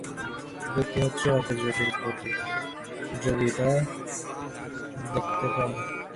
দ্যুতি হচ্ছে অন্তর্জ্যোতির প্রতীক, যোগী তা দেখতে পান।